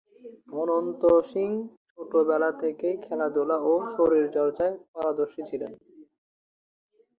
অনন্ত সিং ছোটবেলা থেকেই খেলাধুলা ও শরীরচর্চায় পারদর্শী ছিলেন।